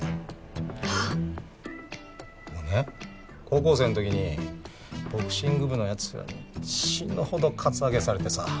高校生の時にボクシング部の奴らに死ぬほどカツアゲされてさ。